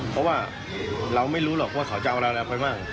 เพราะว่าเราไม่รู้หรอกว่าเขาจะเอาอะไรไปบ้าง